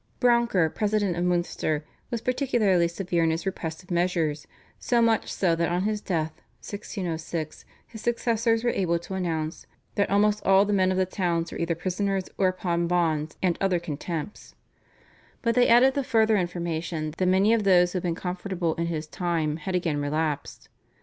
" Brouncker, President of Munster, was particularly severe in his repressive measures, so much so that on his death (1606) his successors were able to announce "that almost all the men of the towns are either prisoners or upon bonds and other contempts," but they added the further information that many of those who had been conformable in his time had again relapsed.